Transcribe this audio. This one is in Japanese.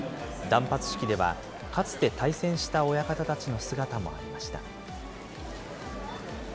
断髪式ではかつて対戦した親方たちの姿もありました。